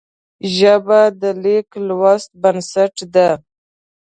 ژبه د لیک لوست بنسټ ده